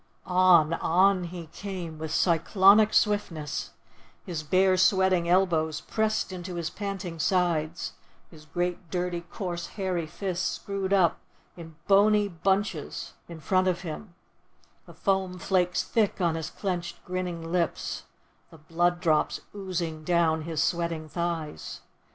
On, on he came, with cyclonic swiftness; his bare sweating elbows pressed into his panting sides; his great, dirty, coarse, hairy fists screwed up in bony bunches in front of him; the foam flakes thick on his clenched, grinning lips; the blood drops oozing down his sweating thighs.